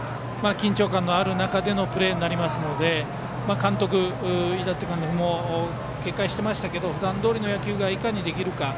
緊張感のある中でのプレーになりますので井達監督も警戒してましたが普段どおりの野球がいかにできるか。